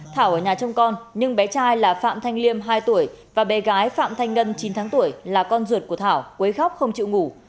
thảo ở nhà trông con nhưng bé trai là phạm thanh liêm hai tuổi và bé gái phạm thanh ngân chín tháng tuổi là con ruột của thảo quấy khóc không chịu ngủ